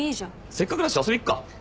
せっかくだし遊びに行くか。